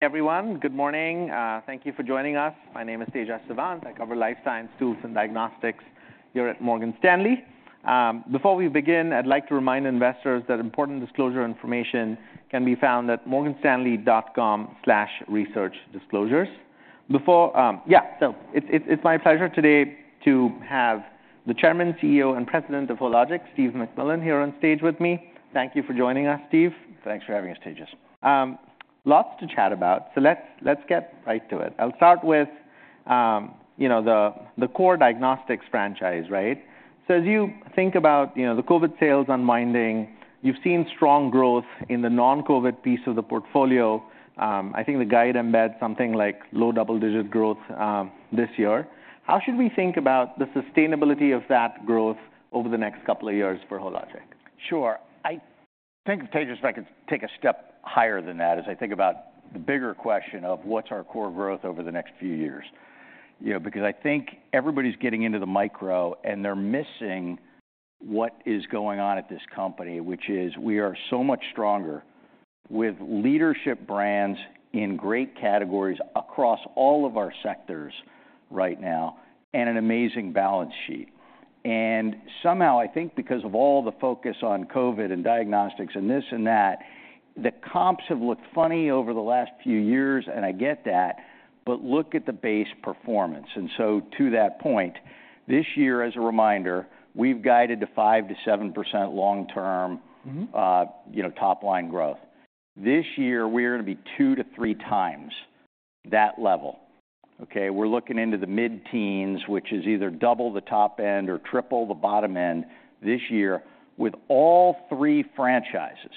Everyone, good morning. Thank you for joining us. My name is Tejas Savant. I cover Life Science Tools and Diagnostics here at Morgan Stanley. Before we begin, I'd like to remind investors that important disclosure information can be found at morganstanley.com/researchdisclosures. So it's my pleasure today to have the Chairman, CEO, and President of Hologic, Steve MacMillan, here on stage with me. Thank you for joining us, Steve. Thanks for having us, Tejas. Lots to chat about, so let's get right to it. I'll start with, you know, the core diagnostics franchise, right? So as you think about, you know, the COVID sales unwinding, you've seen strong growth in the non-COVID piece of the portfolio. I think the guide embeds something like low double-digit growth, this year. How should we think about the sustainability of that growth over the next couple of years for Hologic? Sure. I think, Tejas, if I could take a step higher than that, as I think about the bigger question of what's our core growth over the next few years. You know, because I think everybody's getting into the micro, and they're missing what is going on at this company, which is we are so much stronger with leadership brands in great categories across all of our sectors right now, and an amazing balance sheet. And somehow, I think, because of all the focus on COVID and diagnostics and this and that, the comps have looked funny over the last few years, and I get that, but look at the base performance. And so to that point, this year, as a reminder, we've guided to 5%-7% long-term... Mm-hmm. You know, top-line growth. This year, we're gonna be 2-3 times that level, okay? We're looking into the mid-teens, which is either double the top end or triple the bottom end this year, with all three franchises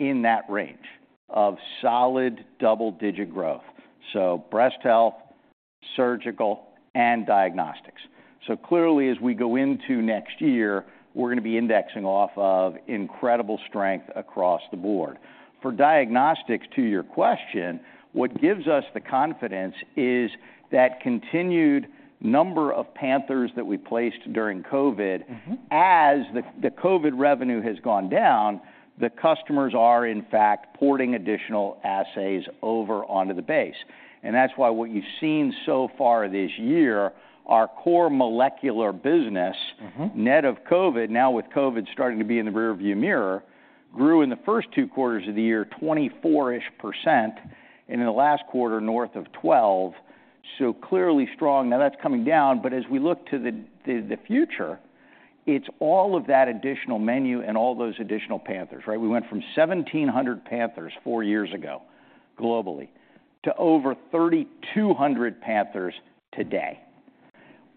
in that range of solid double-digit growth. So breast health, surgical, and diagnostics. So clearly, as we go into next year, we're gonna be indexing off of incredible strength across the board. For diagnostics, to your question, what gives us the confidence is that continued number of Panthers that we placed during COVID. Mm-hmm. As the COVID revenue has gone down, the customers are, in fact, porting additional assays over onto the base. And that's why what you've seen so far this year, our core molecular business- Mm-hmm. Net of COVID, now with COVID starting to be in the rearview mirror, grew in the first two quarters of the year, 24-ish%, and in the last quarter, north of 12%. So clearly strong. Now that's coming down, but as we look to the future, it's all of that additional menu and all those additional Panthers, right? We went from 1,700 Panthers four years ago, globally, to over 3,200 Panthers today.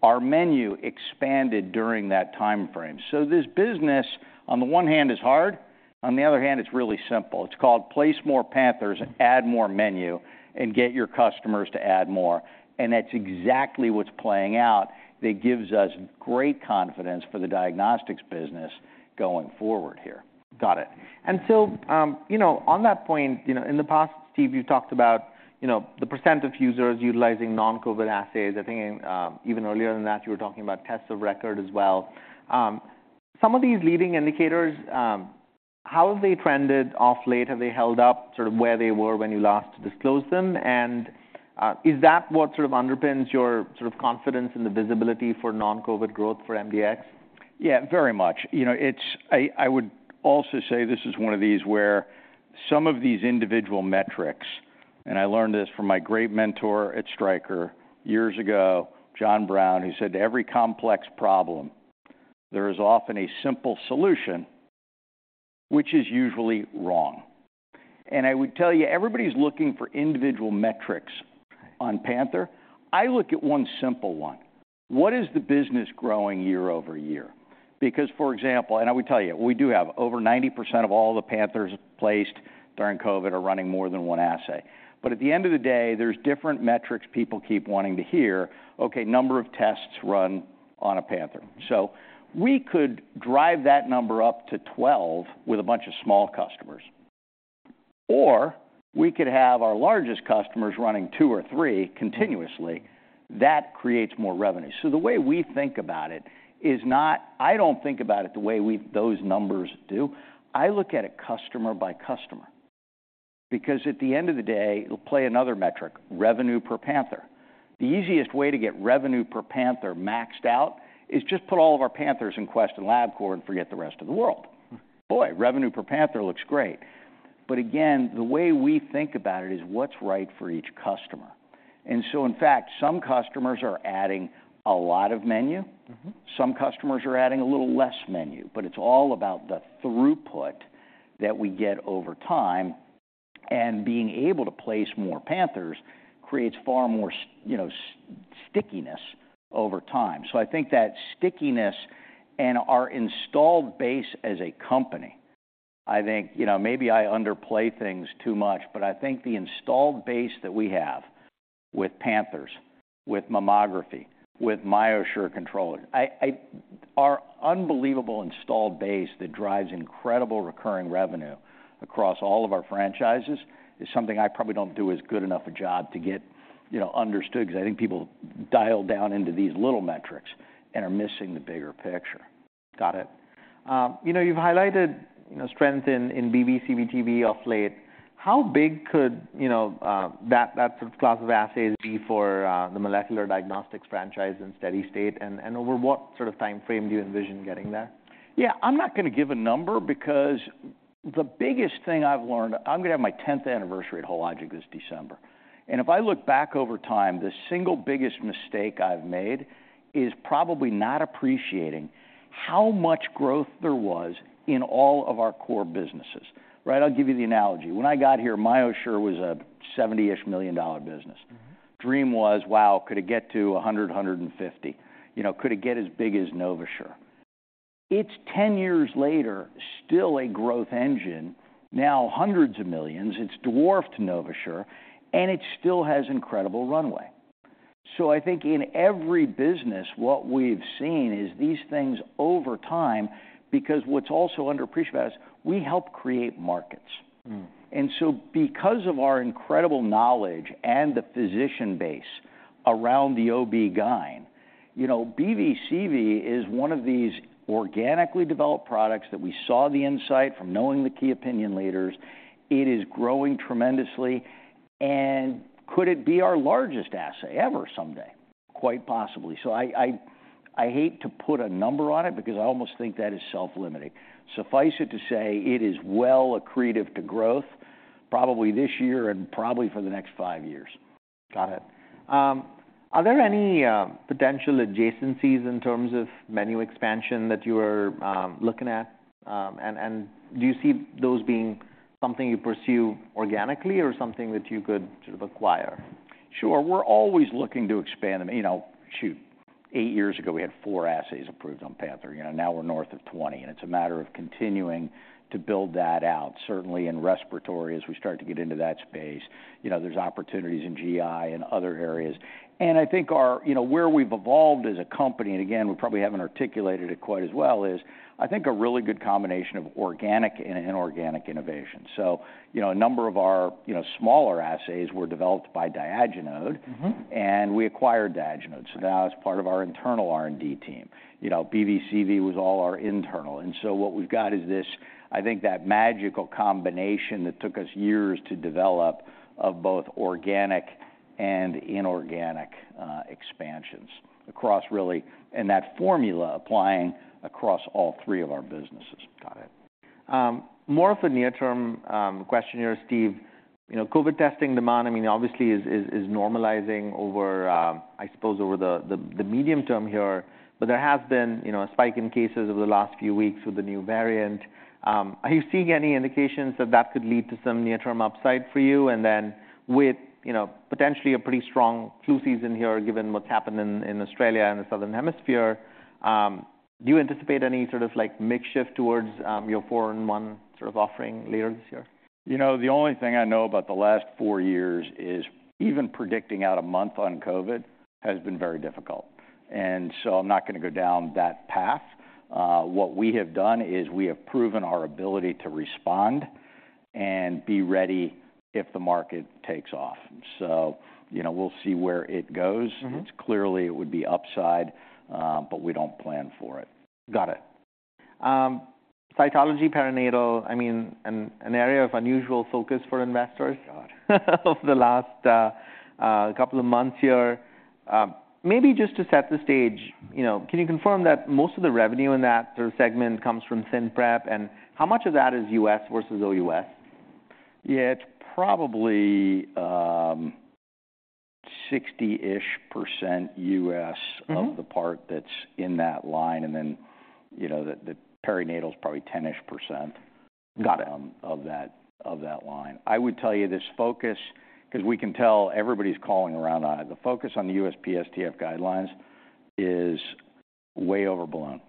Our menu expanded during that time frame. So this business, on the one hand, is hard, on the other hand, it's really simple. It's called place more Panthers, add more menu, and get your customers to add more, and that's exactly what's playing out. That gives us great confidence for the diagnostics business going forward here. Got it. And so, you know, on that point, you know, in the past, Steve, you talked about, you know, the percent of users utilizing non-COVID assays. I think, even earlier than that, you were talking about tests of record as well. Some of these leading indicators, how have they trended off late? Have they held up sort of where they were when you last disclosed them? And, is that what sort of underpins your sort of confidence in the visibility for non-COVID growth for MDx? Yeah, very much. You know, it's... I, I would also say this is one of these where some of these individual metrics, and I learned this from my great mentor at Stryker years ago, John Brown, who said, "Every complex problem, there is often a simple solution, which is usually wrong." And I would tell you, everybody's looking for individual metrics on Panther. I look at one simple one. What is the business growing year-over-year? Because, for example, and I would tell you, we do have over 90% of all the Panthers placed during COVID are running more than one assay. But at the end of the day, there's different metrics people keep wanting to hear. Okay, number of tests run on a Panther. So we could drive that number up to 12 with a bunch of small customers, or we could have our largest customers running 2 or 3 continuously. That creates more revenue. So the way we think about it is not... I don't think about it the way those numbers do. I look at it customer by customer, because at the end of the day, it'll play another metric: revenue per Panther. The easiest way to get revenue per Panther maxed out is just put all of our Panthers in Quest and Labcorp and forget the rest of the world. Mm-hmm. Boy, revenue per Panther looks great. But again, the way we think about it is what's right for each customer. And so in fact, some customers are adding a lot of menu- Mm-hmm.... Some customers are adding a little less menu, but it's all about the throughput that we get over time, and being able to place more Panthers creates far more, you know, stickiness over time. So I think that stickiness and our installed base as a company, I think, you know, maybe I underplay things too much, but I think the installed base that we have with Panthers, with mammography, with MyoSure controller, our unbelievable installed base that drives incredible recurring revenue across all of our franchises is something I probably don't do as good enough a job to get, you know, understood, because I think people dial down into these little metrics and are missing the bigger picture. Got it. You know, you've highlighted, you know, strength in, in BV/CV/TV of late. How big could, you know, that, that sort of class of assays be for, the molecular diagnostics franchise in steady state? And, and over what sort of time frame do you envision getting there? Yeah, I'm not going to give a number because the biggest thing I've learned... I'm going to have my 10th anniversary at Hologic this December, and if I look back over time, the single biggest mistake I've made is probably not appreciating how much growth there was in all of our core businesses. Right, I'll give you the analogy. When I got here, MyoSure was a $70-ish million business. Mm-hmm. Dream was, wow, could it get to $100, $150? You know, could it get as big as NovaSure? It's 10 years later, still a growth engine, now $hundreds of millions. It's dwarfed NovaSure, and it still has incredible runway. So I think in every business, what we've seen is these things over time, because what's also underappreciated is we help create markets. Mm. And so because of our incredible knowledge and the physician base around the OB/GYN, you know, BV/CV is one of these organically developed products that we saw the insight from knowing the key opinion leaders. It is growing tremendously, and could it be our largest assay ever someday? Quite possibly. So I hate to put a number on it because I almost think that is self-limiting. Suffice it to say, it is well accretive to growth, probably this year and probably for the next five years. Got it. Are there any potential adjacencies in terms of menu expansion that you are looking at? And do you see those being something you pursue organically or something that you could sort of acquire? Sure. We're always looking to expand. I mean, you know, shoot, 8 years ago, we had 4 assays approved on Panther, you know, now we're north of 20, and it's a matter of continuing to build that out. Certainly in respiratory, as we start to get into that space, you know, there's opportunities in GI and other areas. And I think our... You know, where we've evolved as a company, and again, we probably haven't articulated it quite as well, is I think a really good combination of organic and inorganic innovation. So, you know, a number of our, you know, smaller assays were developed by Diagenode. Mm-hmm. We acquired Diagenode, so now it's part of our internal R&D team. You know, BV/CV was all our internal. So what we've got is this, I think, that magical combination that took us years to develop, of both organic and inorganic expansions across really... And that formula applying across all three of our businesses. Got it. More of a near-term question here, Steve. You know, COVID testing demand, I mean, obviously is normalizing over, I suppose over the medium term here, but there has been, you know, a spike in cases over the last few weeks with the new variant. Are you seeing any indications that that could lead to some near-term upside for you? And then with, you know, potentially a pretty strong flu season here, given what's happened in Australia and the Southern Hemisphere, do you anticipate any sort of, like, mix shift towards your four-in-one sort of offering later this year? You know, the only thing I know about the last four years is even predicting out a month on COVID has been very difficult, and so I'm not going to go down that path. What we have done is we have proven our ability to respond and be ready if the market takes off. So, you know, we'll see where it goes. Mm-hmm. It's clearly it would be upside, but we don't plan for it. Got it. Cytology, perinatal, I mean, an area of unusual focus for investors- Got it. Over the last couple of months here. Maybe just to set the stage, you know, can you confirm that most of the revenue in that sort of segment comes from ThinPrep, and how much of that is U.S. versus OUS? Yeah, it's probably 60-ish% U.S.- Mm-hmm. Of the part that's in that line, and then, you know, the perinatal is probably 10-ish%. Got it. of that, of that line. I would tell you, this focus, because we can tell everybody's calling around on it, the focus on the USPSTF guidelines is way overblown.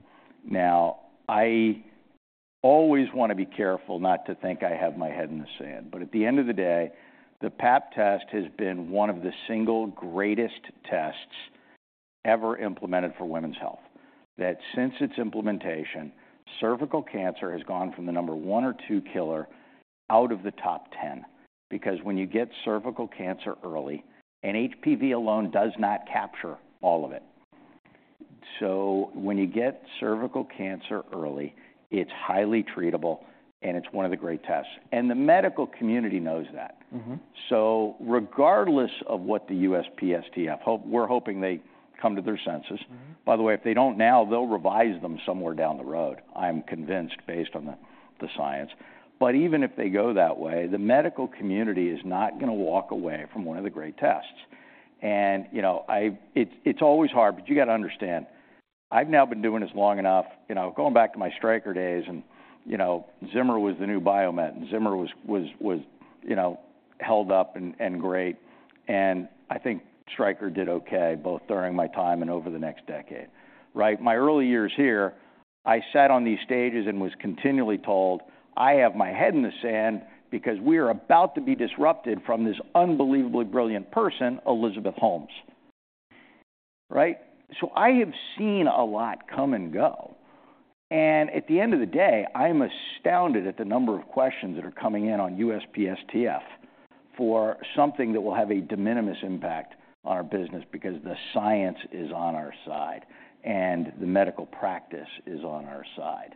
Now, I always want to be careful not to think I have my head in the sand, but at the end of the day, the Pap test has been one of the single greatest tests ever implemented for women's health. That since its implementation, cervical cancer has gone from the number one or two killer out of the top ten. Because when you get cervical cancer early, and HPV alone does not capture all of it, so when you get cervical cancer early, it's highly treatable, and it's one of the great tests, and the medical community knows that. Mm-hmm. So regardless of what the USPSTF hopes, we're hoping they come to their senses. Mm-hmm. By the way, if they don't now, they'll revise them somewhere down the road. I'm convinced, based on the science. But even if they go that way, the medical community is not going to walk away from one of the great tests. And, you know, it's always hard, but you got to understand, I've now been doing this long enough, you know, going back to my Stryker days, and, you know, Zimmer was the new Biomet, and Zimmer was, you know, held up and great. And I think Stryker did okay, both during my time and over the next decade, right? My early years here, I sat on these stages and was continually told I have my head in the sand because we are about to be disrupted from this unbelievably brilliant person, Elizabeth Holmes, right? I have seen a lot come and go, and at the end of the day, I'm astounded at the number of questions that are coming in on USPSTF for something that will have a de minimis impact on our business because the science is on our side, and the medical practice is on our side.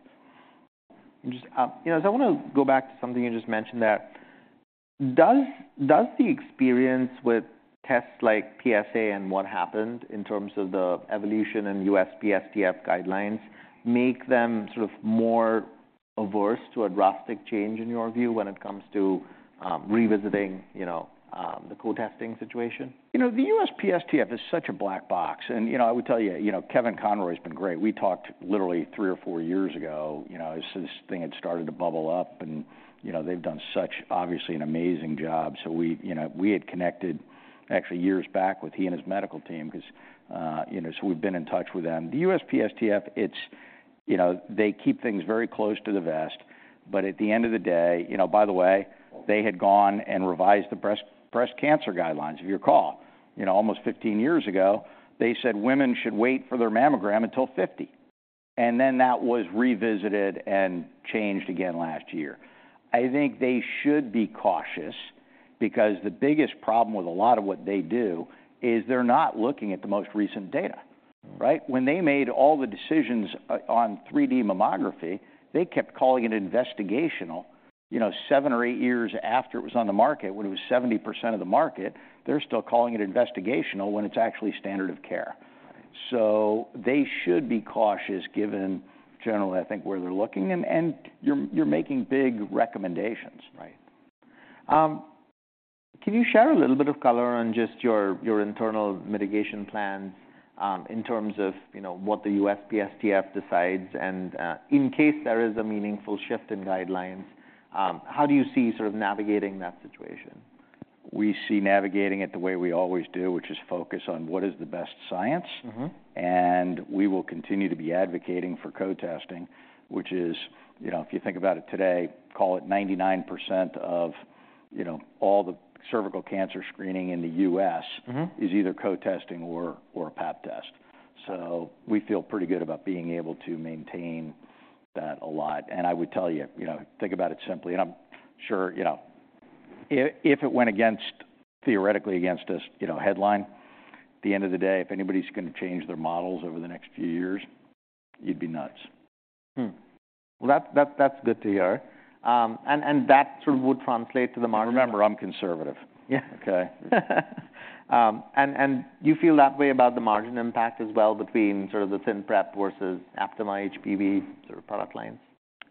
Just, you know, so I want to go back to something you just mentioned that, does the experience with tests like PSA and what happened in terms of the evolution and USPSTF guidelines, make them sort of more averse to a drastic change in your view when it comes to, revisiting, you know, the co-testing situation? You know, the USPSTF is such a black box, and, you know, I would tell you, you know, Kevin Conroy has been great. We talked literally 3 or 4 years ago, you know, as this thing had started to bubble up and, you know, they've done such, obviously, an amazing job. So we, you know, we had connected actually years back with he and his medical team because, you know, so we've been in touch with them. The USPSTF, it's, you know, they keep things very close to the vest, but at the end of the day... You know, by the way, they had gone and revised the breast cancer guidelines. If you recall, you know, almost 15 years ago, they said women should wait for their mammogram until 50, and then that was revisited and changed again last year. I think they should be cautious because the biggest problem with a lot of what they do is they're not looking at the most recent data, right? When they made all the decisions on 3D mammography, they kept calling it investigational. You know, 7 or 8 years after it was on the market, when it was 70% of the market, they're still calling it investigational when it's actually standard of care. So they should be cautious, given generally, I think, where they're looking. And you're making big recommendations, right? Can you share a little bit of color on just your internal mitigation plans, in terms of, you know, what the USPSTF decides? And, in case there is a meaningful shift in guidelines, how do you see sort of navigating that situation? We see navigating it the way we always do, which is focus on what is the best science. Mm-hmm. We will continue to be advocating for co-testing, which is, you know, if you think about it today, call it 99% of, you know, all the cervical cancer screening in the U.S.- Mm-hmm... Is either co-testing or a Pap test. So we feel pretty good about being able to maintain that a lot. And I would tell you, you know, think about it simply, and I'm sure, you know, if it went theoretically against this, you know, headline, at the end of the day, if anybody's gonna change their models over the next few years, you'd be nuts. Well, that, that's good to hear. And that sort of would translate to the margin? Remember, I'm conservative. Yeah. Okay? You feel that way about the margin impact as well, between sort of the ThinPrep versus Aptima HPV sort of product lines?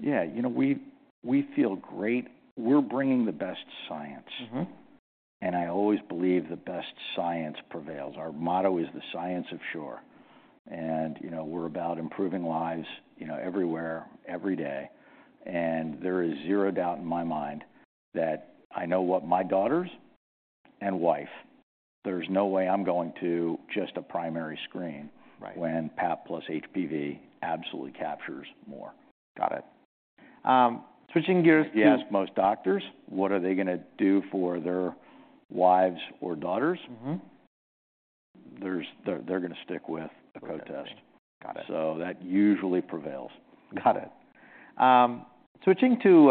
Yeah. You know, we, we feel great. We're bringing the best science. Mm-hmm. I always believe the best science prevails. Our motto is, "The science of sure." You know, we're about improving lives, you know, everywhere, every day. There is zero doubt in my mind that I know what my daughters and wife, there's no way I'm going to just a primary screen- Right... When Pap plus HPV absolutely captures more. Got it. Switching gears to- You ask most doctors, what are they gonna do for their wives or daughters? Mm-hmm. They're gonna stick with the co-test. Got it. That usually prevails. Got it. Switching to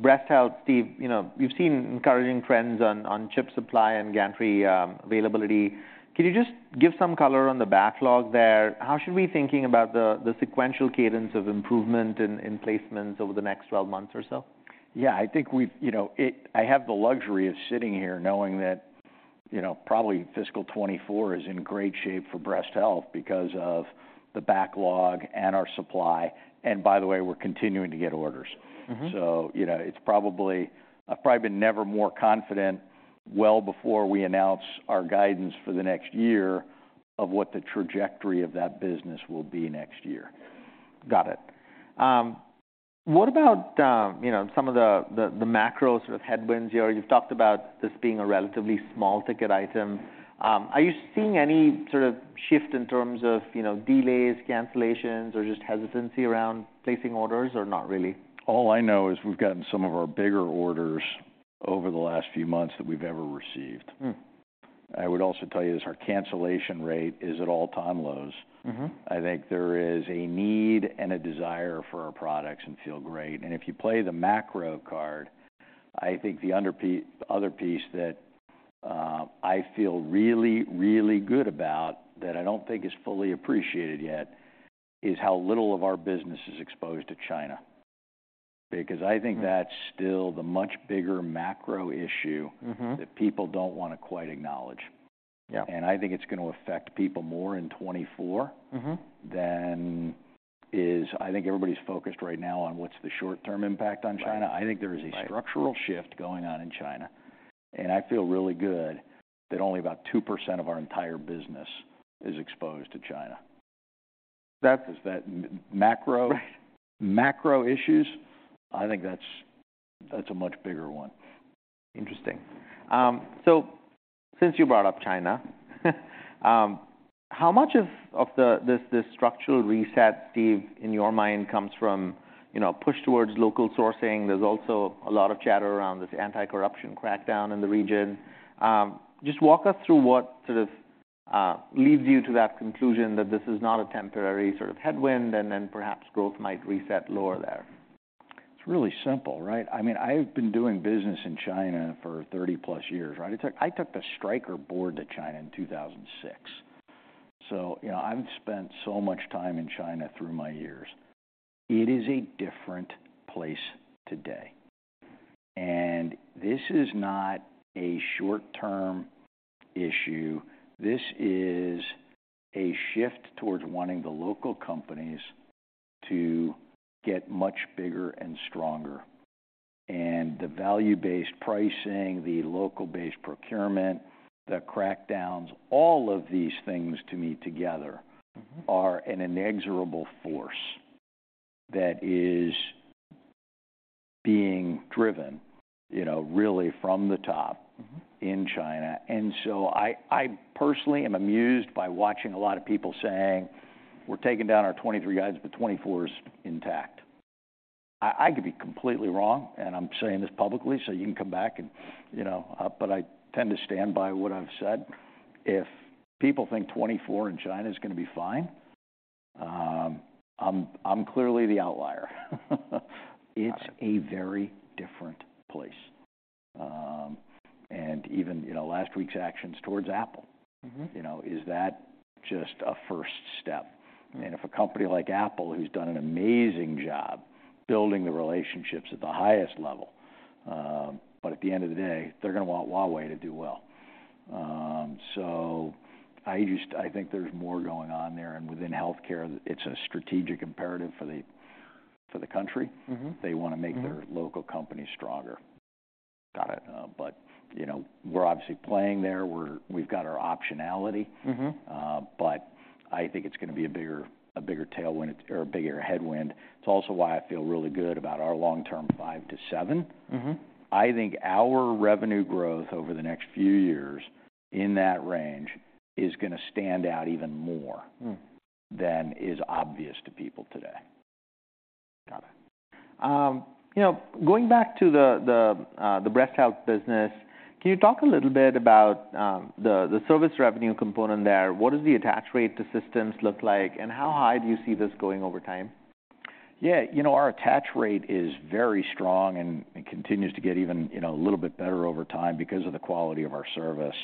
breast health, Steve, you know, we've seen encouraging trends on chip supply and gantry availability. Can you just give some color on the backlog there? How should we be thinking about the sequential cadence of improvement in placements over the next 12 months or so? Yeah, I think we've... You know, it-- I have the luxury of sitting here knowing that, you know, probably fiscal 2024 is in great shape for breast health because of the backlog and our supply, and by the way, we're continuing to get orders. Mm-hmm. So, you know, it's probably—I've probably been never more confident, well before we announce our guidance for the next year, of what the trajectory of that business will be next year. Got it. What about, you know, some of the macro sort of headwinds here? You've talked about this being a relatively small ticket item. Are you seeing any sort of shift in terms of, you know, delays, cancellations, or just hesitancy around placing orders, or not really? All I know is we've gotten some of our bigger orders over the last few months than we've ever received. Hmm. I would also tell you this, our cancellation rate is at all-time lows. Mm-hmm. I think there is a need and a desire for our products and feel great. And if you play the macro card, I think the other piece that I feel really, really good about, that I don't think is fully appreciated yet, is how little of our business is exposed to China. Because I think that's- Mm.... Still the much bigger macro issue- Mm-hmm.... That people don't want to quite acknowledge. Yeah. I think it's gonna affect people more in 2024- Mm-hmm.... Than is. I think everybody's focused right now on what's the short-term impact on China. Right. I think there is a structural shift going on in China, and I feel really good that only about 2% of our entire business is exposed to China. That's- Is that macro? Right. Macro issues, I think that's, that's a much bigger one. Interesting. So since you brought up China, how much of this structural reset, Steve, in your mind, comes from, you know, push towards local sourcing? There's also a lot of chatter around this anti-corruption crackdown in the region. Just walk us through what sort of leads you to that conclusion that this is not a temporary sort of headwind, and then perhaps growth might reset lower there? It's really simple, right? I mean, I've been doing business in China for 30+ years, right? I took, I took the Stryker board to China in 2006. So, you know, I've spent so much time in China through my years. It is a different place today, and this is not a short-term issue. This is a shift towards wanting the local companies to get much bigger and stronger. And the value-based pricing, the local-based procurement, the crackdowns, all of these things to me together- Mm-hmm Are an inexorable force that is being driven, you know, really from the top. Mm-hmm In China. And so I, I personally am amused by watching a lot of people saying, "We're taking down our 2023 guides, but 2024 is intact." I, I could be completely wrong, and I'm saying this publicly, so you can come back and, you know... But I tend to stand by what I've said. If people think 2024 in China is going to be fine, I'm, I'm clearly the outlier. It's a very different place. And even, you know, last week's actions towards Apple- Mm-hmm.... You know, is that just a first step? I mean, if a company like Apple, who's done an amazing job building the relationships at the highest level, but at the end of the day, they're going to want Huawei to do well. So I think there's more going on there, and within healthcare, it's a strategic imperative for the country. Mm-hmm. They want to- Mm-hmm... Make their local companies stronger. Got it. But, you know, we're obviously playing there, we've got our optionality. Mm-hmm. But I think it's going to be a bigger, a bigger tailwind or a bigger headwind. It's also why I feel really good about our long-term 5-7. Mm-hmm. I think our revenue growth over the next few years in that range is going to stand out even more- Mm.... Than is obvious to people today. Got it. You know, going back to the breast health business, can you talk a little bit about the service revenue component there? What does the attach rate to systems look like, and how high do you see this going over time? Yeah, you know, our attach rate is very strong and continues to get even, you know, a little bit better over time because of the quality of our service.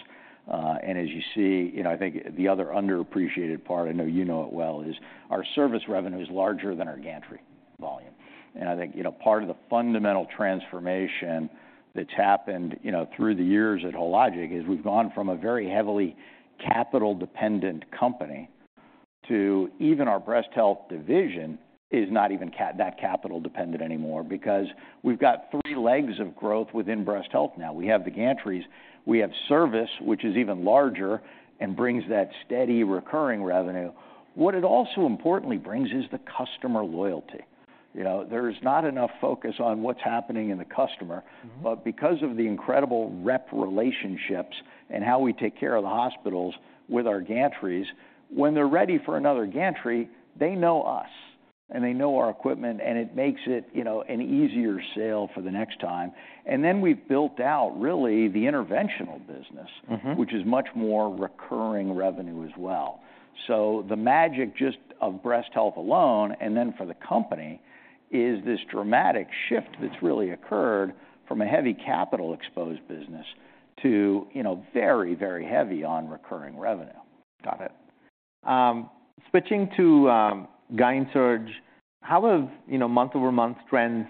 And as you see, you know, I think the other underappreciated part, I know you know it well, is our service revenue is larger than our gantry volume. And I think, you know, part of the fundamental transformation that's happened, you know, through the years at Hologic is we've gone from a very heavily capital-dependent company to even our breast health division is not even that capital dependent anymore, because we've got three legs of growth within breast health now. We have the gantries, we have service, which is even larger and brings that steady recurring revenue. What it also importantly brings is the customer loyalty. You know, there is not enough focus on what's happening in the customer- Mm-hmm... But because of the incredible rep relationships and how we take care of the hospitals with our gantries, when they're ready for another gantry, they know us, and they know our equipment, and it makes it, you know, an easier sale for the next time. And then we've built out really the interventional business- Mm-hmm... Which is much more recurring revenue as well. So the magic just of breast health alone, and then for the company, is this dramatic shift that's really occurred from a heavy capital exposed business to, you know, very, very heavy on recurring revenue. Got it. Switching to GynSurg, how have, you know, month-over-month trends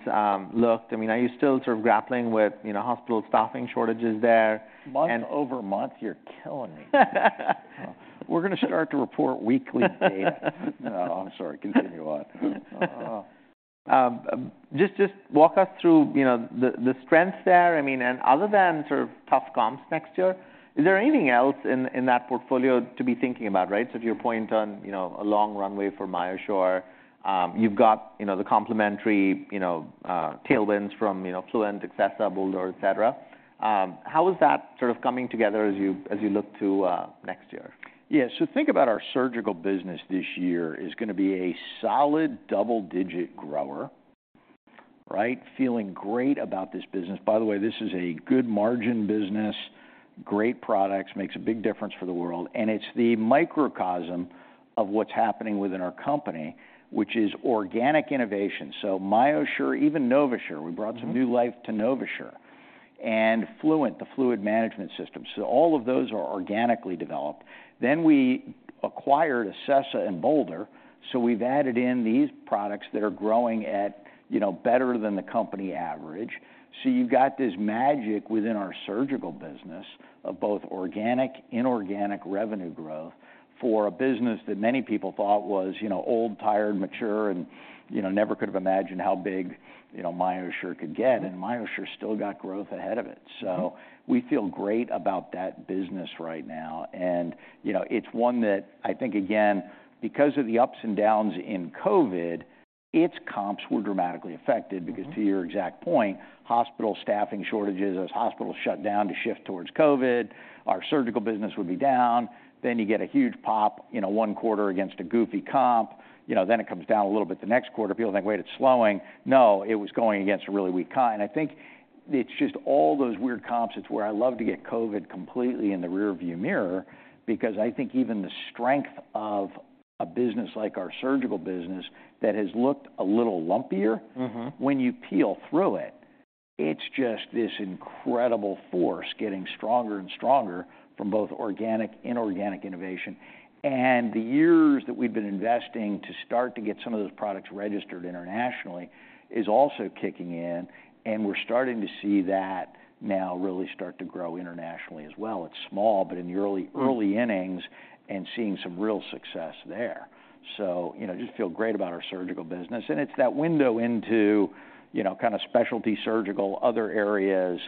looked? I mean, are you still sort of grappling with, you know, hospital staffing shortages there? And- Month-over-month, you're killing me. We're going to start to report weekly data. No, I'm sorry. Continue on. Just, just walk us through, you know, the strengths there. I mean, and other than sort of tough comps next year, is there anything else in that portfolio to be thinking about, right? So to your point on, you know, a long runway for MyoSure, you've got, you know, the complementary, you know, tailwinds from, you know, Fluent, Acessa, Boulder, etc. How is that sort of coming together as you look to next year? Yeah. So think about our surgical business this year is going to be a solid double-digit grower, right? Feeling great about this business. By the way, this is a good margin business, great products, makes a big difference for the world, and it's the microcosm of what's happening within our company, which is organic innovation. So MyoSure, even NovaSure- Mm-hmm.... We brought some new life to NovaSure. And Fluent, the fluid management system. So all of those are organically developed. Then we acquired Acessa and Boulder, so we've added in these products that are growing at, you know, better than the company average. So you've got this magic within our surgical business of both organic, inorganic revenue growth for a business that many people thought was, you know, old, tired, mature, and, you know, never could have imagined how big, you know, MyoSure could get, and MyoSure still got growth ahead of it. Mm-hmm. We feel great about that business right now, and, you know, it's one that I think again, because of the ups and downs in COVID, its comps were dramatically affected. Mm-hmm. Because to your exact point, hospital staffing shortages, as hospitals shut down to shift towards COVID, our surgical business would be down. Then you get a huge pop, you know, one quarter against a goofy comp. You know, then it comes down a little bit. The next quarter, people think, "Wait, it's slowing." No, it was going against a really weak comp. And I think it's just all those weird comps. It's where I love to get COVID completely in the rear view mirror, because I think even the strength of a business like our surgical business, that has looked a little lumpier- Mm-hmm. ...When you peel through it. It's just this incredible force getting stronger and stronger from both organic and inorganic innovation. And the years that we've been investing to start to get some of those products registered internationally is also kicking in, and we're starting to see that now really start to grow internationally as well. It's small, but in the early, early innings and seeing some real success there. So, you know, just feel great about our surgical business, and it's that window into, you know, kind of specialty surgical, other areas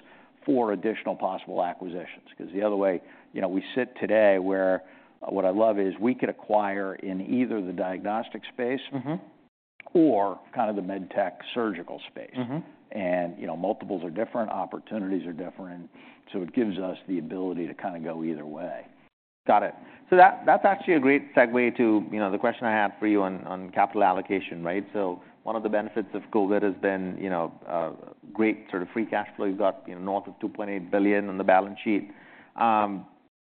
for additional possible acquisitions. Because the other way, you know, we sit today where, what I love is we could acquire in either the diagnostic space- Mm-hmm. Or kind of the med tech surgical space. Mm-hmm. You know, multiples are different, opportunities are different, so it gives us the ability to kind of go either way. Got it. So that, that's actually a great segue to, you know, the question I have for you on, on capital allocation, right? So one of the benefits of COVID has been, you know, great sort of free cash flow. You've got, you know, north of $2.8 billion on the balance sheet.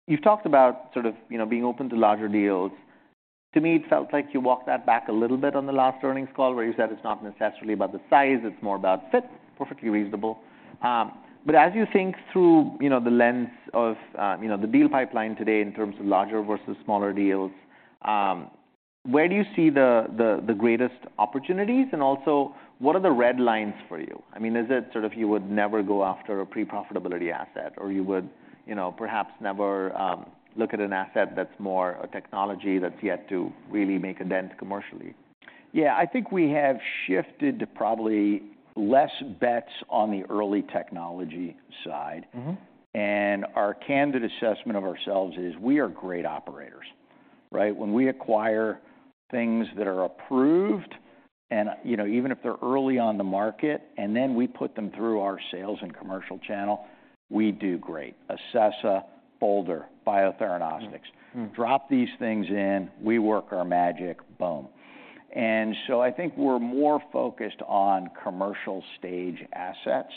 You've talked about sort of, you know, being open to larger deals. To me, it felt like you walked that back a little bit on the last earnings call, where you said it's not necessarily about the size, it's more about fit. Perfectly reasonable. But as you think through, you know, the lens of, you know, the deal pipeline today in terms of larger versus smaller deals, where do you see the greatest opportunities? And also, what are the red lines for you? I mean, is it sort of you would never go after a pre-profitability asset, or you would, you know, perhaps never, look at an asset that's more a technology that's yet to really make a dent commercially? Yeah, I think we have shifted to probably less bets on the early technology side. Mm-hmm. Our candid assessment of ourselves is we are great operators, right? When we acquire things that are approved and, you know, even if they're early on the market, and then we put them through our sales and commercial channel, we do great. Acessa, Boulder, Biotheranostics. Mm-hmm. Mm. Drop these things in, we work our magic, boom! And so I think we're more focused on commercial stage assets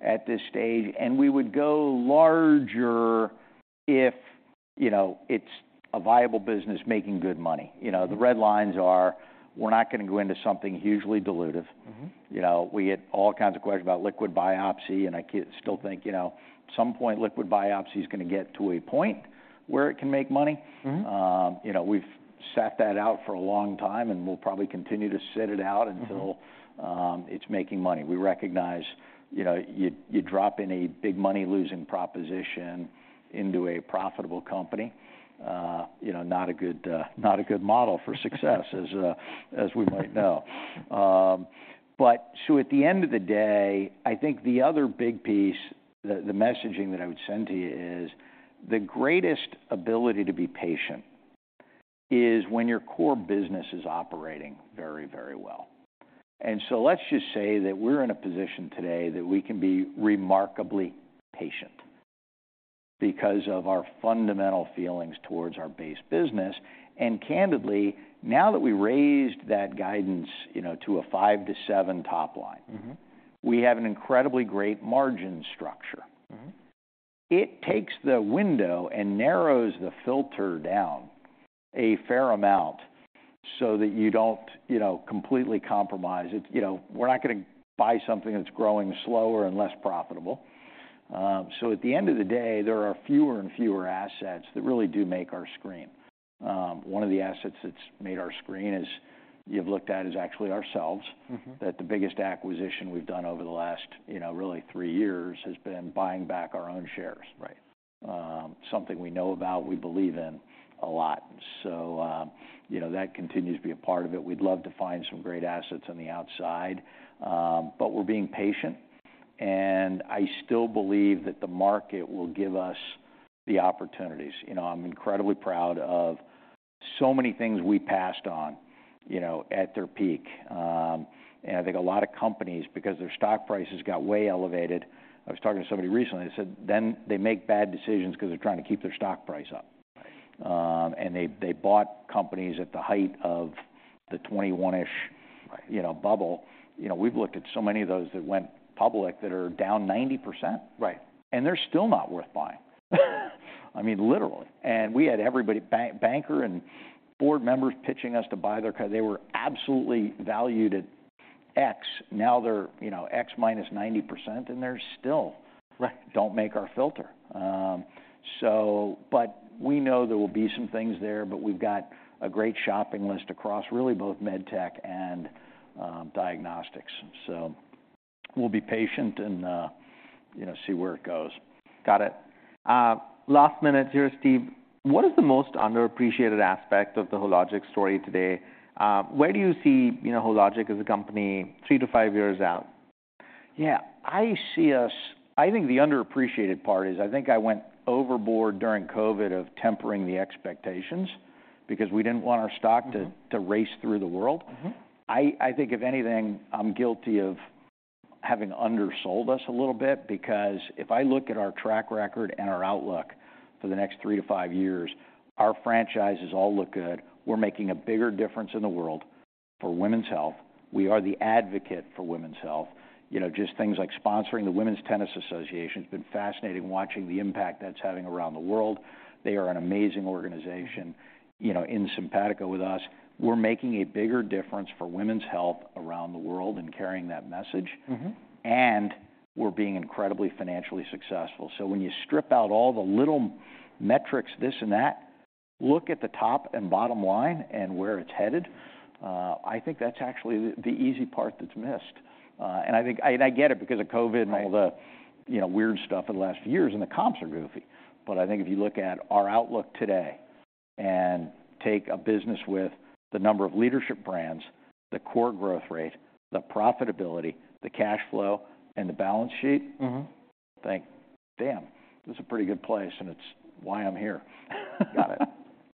at this stage, and we would go larger if, you know, it's a viable business making good money. Mm-hmm. You know, the red lines are, we're not gonna go into something hugely dilutive. Mm-hmm. You know, we get all kinds of questions about liquid biopsy, and I still think, you know, at some point liquid biopsy is gonna get to a point where it can make money. Mm-hmm. You know, we've sat that out for a long time, and we'll probably continue to sit it out- Mm-hmm.... Until it's making money. We recognize, you know, you drop in a big money-losing proposition into a profitable company, you know, not a good model for success as we might know. But so at the end of the day, I think the other big piece, the messaging that I would send to you is, the greatest ability to be patient is when your core business is operating very, very well. And so let's just say that we're in a position today that we can be remarkably patient because of our fundamental feelings towards our base business. And candidly, now that we raised that guidance, you know, to a 5-7 top line- Mm-hmm.... We have an incredibly great margin structure. Mm-hmm. It takes the window and narrows the filter down a fair amount so that you don't, you know, completely compromise it. You know, we're not gonna buy something that's growing slower and less profitable. So at the end of the day, there are fewer and fewer assets that really do make our screen. One of the assets that's made our screen is, you've looked at, is actually ourselves. Mm-hmm. That the biggest acquisition we've done over the last, you know, really three years has been buying back our own shares. Right. Something we know about, we believe in a lot. So, you know, that continues to be a part of it. We'd love to find some great assets on the outside, but we're being patient, and I still believe that the market will give us the opportunities. You know, I'm incredibly proud of so many things we passed on, you know, at their peak. And I think a lot of companies, because their stock prices got way elevated. I was talking to somebody recently, they said, "Then they make bad decisions because they're trying to keep their stock price up. Right. They bought companies at the height of the 2021-ish- Right... You know, bubble. You know, we've looked at so many of those that went public that are down 90%. Right. They're still not worth buying. I mean, literally. We had everybody, banker and board members pitching us to buy their... 'Cause they were absolutely valued at X. Now they're, you know, X minus 90%, and they're still- Right.... Don't make our filter. So but we know there will be some things there, but we've got a great shopping list across really both med tech and diagnostics. So we'll be patient and, you know, see where it goes. Got it. Last minute here, Steve. What is the most underappreciated aspect of the Hologic story today? Where do you see, you know, Hologic as a company three to five years out? Yeah, I see us—I think the underappreciated part is I think I went overboard during COVID of tempering the expectations because we didn't want our stock- Mm-hmm.... To race through the world. Mm-hmm. I, I think if anything, I'm guilty of having undersold us a little bit, because if I look at our track record and our outlook for the next three to five years, our franchises all look good. We're making a bigger difference in the world for women's health. We are the advocate for women's health. You know, just things like sponsoring the Women's Tennis Association. It's been fascinating watching the impact that's having around the world. They are an amazing organization, you know, in simpatico with us. We're making a bigger difference for women's health around the world and carrying that message. Mm-hmm. We're being incredibly financially successful. So when you strip out all the little metrics, this and that, look at the top and bottom line and where it's headed, I think that's actually the easy part that's missed. I get it because of COVID and all the, you know, weird stuff in the last few years, and the comps are goofy. But I think if you look at our outlook today and take a business with the number of leadership brands, the core growth rate, the profitability, the cash flow, and the balance sheet- Mm-hmm.... Think, damn, this is a pretty good place, and it's why I'm here. Got it.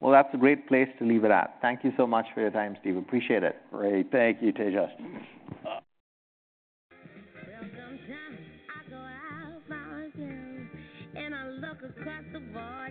Well, that's a great place to leave it at. Thank you so much for your time, Steve. Appreciate it. Great. Thank you, Tejas. Sometimes I go out by myself, and I look across the water-